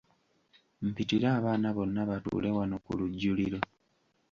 Mpitira abaana bonna batuule wano ku lujjuliro.